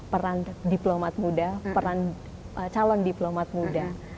peran diplomat muda peran calon diplomat muda